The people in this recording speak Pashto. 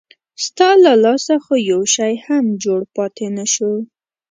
ستا له لاسه خو یو شی هم جوړ پاتې نه شو.